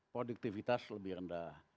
produktivitas lebih rendah